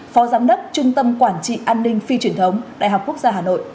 phó giám đốc trung tâm quản trị an ninh phi truyền thống đại học quốc gia hà nội